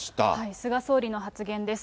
菅総理の発言です。